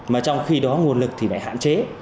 mà trong khi đó nguồn lực thì phải hạn chế